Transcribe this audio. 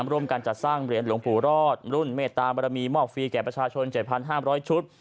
ร่วมกันจัดสร้างเหรียญหลวงปู่รอดรุ่นเมตตามรมีมอบฟรีแก่ประชาชน๗๕๐๐ชุด